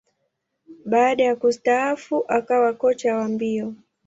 Baada ya kustaafu, akawa kocha wa mbio.